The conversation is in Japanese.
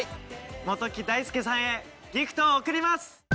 元木大介さんへギフトを贈ります！